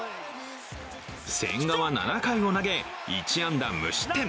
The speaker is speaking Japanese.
千賀は７回を投げ、１安打無失点。